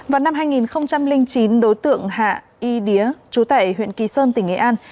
vào năm hai nghìn chín đối tượng hạ y đía chú tại huyện kỳ sơn tỉnh nghệ an